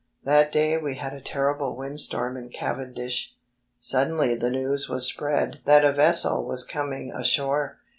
That day we had a terrible windstorm in Cavendish. Suddenly the news was spread that a vessel was coming ashore.